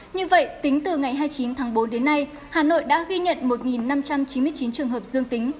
như vậy tính từ ngày hai mươi chín tháng bốn đến nay hà nội đã ghi nhận một năm trăm chín mươi chín trường hợp dương tính